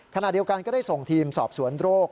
ขณะเดียวกันก็ได้ส่งทีมสอบสวนโรค